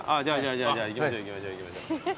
じゃあじゃあ行きましょう行きましょう行きましょう。